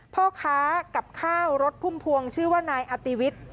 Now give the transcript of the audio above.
พ่อค้ากับข้าวรถพุ่มพวงชื่อว่านายอติวิทย์